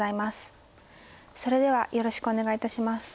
それではよろしくお願いいたします。